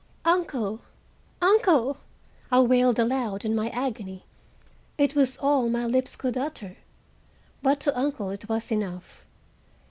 "Uncle! uncle!" I wailed aloud in my agony. It was all my lips could utter, but to uncle it was enough.